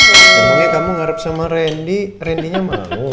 pokoknya kamu ngarep sama randy randinya mau